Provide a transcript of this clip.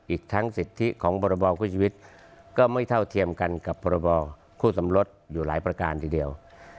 อีกทั้งสิทธิของบรบคู่ชีวิตก็ไม่เท่าเทียมกันกับพรบคู่สมรสอยู่หลายประการทีเดียว